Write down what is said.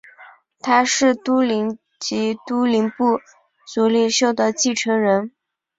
他是都灵及都灵部族领袖的继承人。